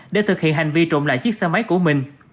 để thực hiện hành vi trộm lại chiếc xe máy của mình